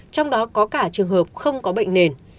trong đó có cả trường hợp không có bệnh nền